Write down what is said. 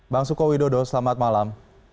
bang sukowidodo selamat malam